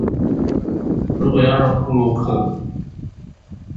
如果要讓部落客